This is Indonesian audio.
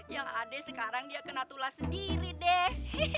ya ade sekarang dia kena tulah sendiri deh